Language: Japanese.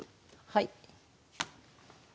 はい。